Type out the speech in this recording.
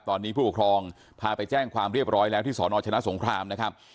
ตอนนี้ผู้ปกครองพาไปแจ้งความเรียบร้อยแล้วที่สนชนะสงครามนะครับ